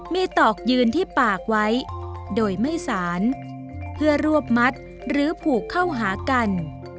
มีตอกยืนที่ปากไว้โดยไม่สารเพื่อรวบมัดหรือผูกเข้าหากัน